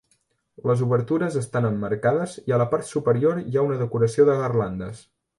Les obertures estan emmarcades i a la part superior hi ha una decoració de garlandes.